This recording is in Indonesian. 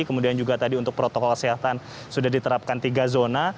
kemudian juga tadi untuk protokol kesehatan sudah diterapkan tiga zona